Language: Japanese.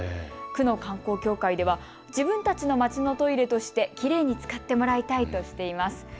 この観光協会では自分たちの街のトイレとしてきれいに使ってもらいたいとしています。